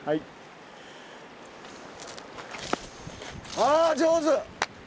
あら上手！